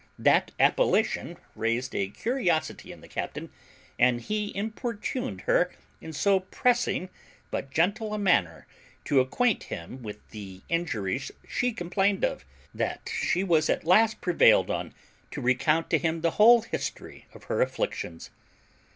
That appellation raised a curiosity in the captain, and he importuned her in so pressing but gentle a manner to acquaint him with the injuries she complained of, that she was at last prevailed on to recount to him the whole history of her afflictions.